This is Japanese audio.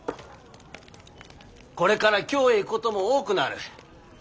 これから京へ行くことも多くなる。